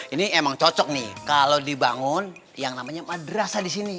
ini emang cocok nih kalau dibangun yang namanya madrasah di sini